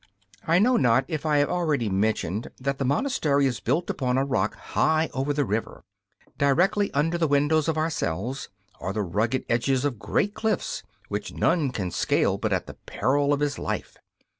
I know not if I have already mentioned that the monastery is built upon a rock high over the river. Directly under the windows of our cells are the rugged edges of great cliffs, which none can scale but at the peril of his life.